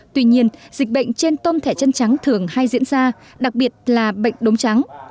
tuy nhiên dịch bệnh trên tôm thẻ chân trắng thường hay diễn ra đặc biệt là bệnh đốm trắng